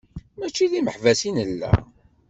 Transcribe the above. Mačči d imeḥbas i nella.